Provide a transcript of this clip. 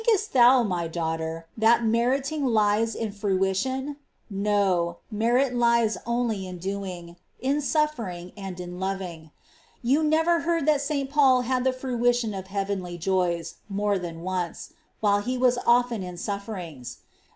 •^.. Merit. thou, My daughter, that meriting lies in fruition ? No ; merit lies only in doing, in suffering, and in loving. You never heard that S. Paul had the fruition of heavenly joys more than once ; while he was often in sufferings.